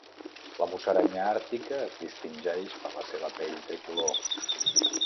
La musaranya àrtica es distingeix per la seva pell tricolor.